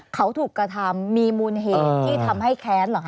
เขาถูกกระทำมีมูลเหตุที่ทำให้แค้นเหรอคะ